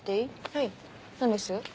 はい何です？